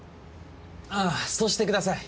あぁそうしてください。